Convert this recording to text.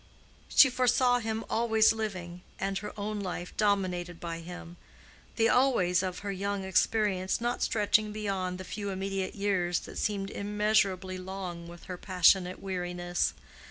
she foresaw him always living, and her own life dominated by him; the "always" of her young experience not stretching beyond the few immediate years that seemed immeasurably long with her passionate weariness.